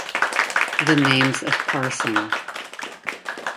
The names of Parson.